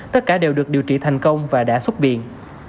tất cả đều được điều trị thành công và đã xuất viện